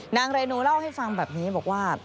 นางเรนูเล่าให้ฟังแบบนี้บอกว่า